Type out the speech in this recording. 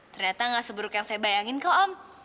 ternyata gak seburuk yang saya bayangin kok om